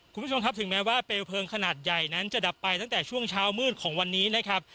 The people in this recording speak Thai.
คุณผู้ชมครับถึงแม้ว่าเปลวเพลิงขนาดใหญ่นั้นจะดับไปตั้งแต่ช่วงเช้ามืดของวันนี้นะครับ